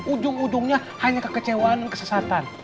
ujung ujungnya hanya kekecewaan dan kesesatan